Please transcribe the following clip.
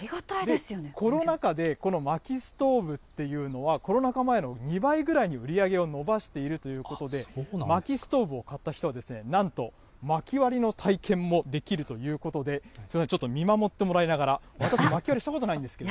コロナ禍で、このまきストーブっていうのは、コロナ禍前の２倍ぐらいの売り上げを伸ばしているということで、まきストーブを買った人は、なんとまき割りの体験もできるということで、ちょっと見守ってもらいながら、私、まやるんですか？